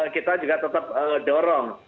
kita juga tetap mendorong